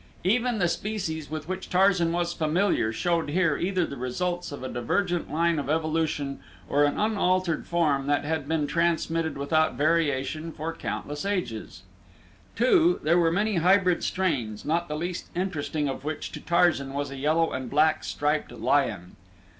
Even the species with which Tarzan was familiar showed here either the results of a divergent line of evolution or an unaltered form that had been transmitted without variation for countless ages. Too, there were many hybrid strains, not the least interesting of which to Tarzan was a yellow and black striped lion.